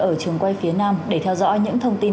ở trường quay phía nam để theo dõi những thông tin